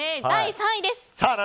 第３位です。